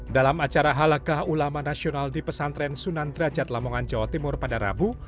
dalam acara halakah ulama nasional di pesantren sunan derajat lamongan jawa timur pada rabu